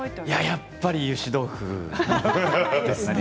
やっぱり、ゆし豆腐ですね。